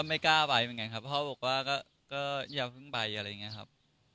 ไม่กล้าไปเหมือนกันครับเพราะเขาบอกว่าก็อย่าเพิ่งไปอะไรอย่างนี้ครับ